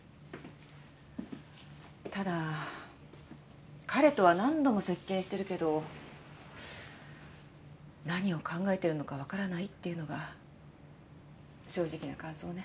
ただ彼とは何度も接見してるけど何を考えてるのかわからないっていうのが正直な感想ね。